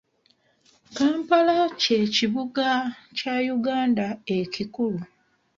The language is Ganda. Kampala kye kibuga kya Uganda ekikulu.